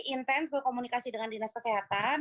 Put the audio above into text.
intens berkomunikasi dengan dinas kesehatan